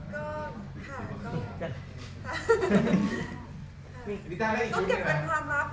ต้องเก็บเป็นความลับ